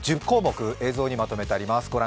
１０項目、映像にまとめてあります。